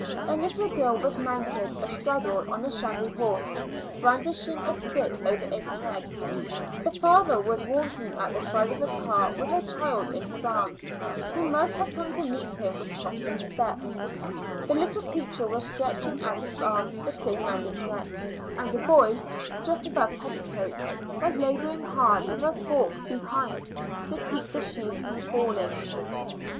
A little girl was mounted a straddle on a shaggy horse, brandishing a stick over its head; the father was walking at the side of the car with a child in his arms, who must have come to meet him with tottering steps; the little creature was stretching out its arms to cling round his neck; and a boy, just above petticoats, was labouring hard with a fork behind to keep the sheaves from falling.